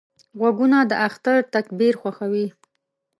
غوږونه د اختر تکبیر خوښوي